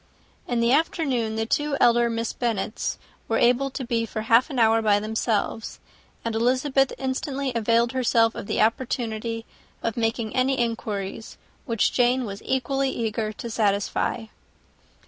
In the afternoon, the two elder Miss Bennets were able to be for half an hour by themselves; and Elizabeth instantly availed herself of the opportunity of making any inquiries which Jane was equally eager to satisfy.